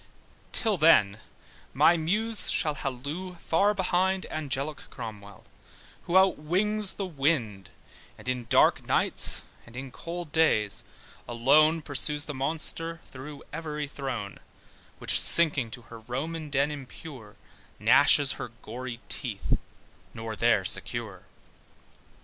Till then my muse shall hollo far behind Angelic Cromwell who outwings the wind, And in dark nights, and in cold days alone Pursues the monster through every throne: Which shrinking to her Roman den impure, Gnashes her gory teeth; nor there secure.